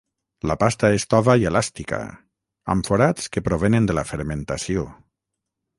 La pasta és tova i elàstica, amb forats que provenen de la fermentació.